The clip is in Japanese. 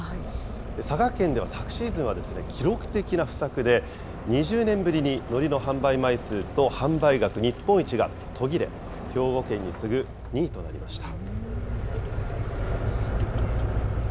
佐賀県では昨シーズンは記録的な不作で、２０年ぶりにのりの販売枚数と販売額日本一が途切れ、兵庫県に次ぐ２位となりました。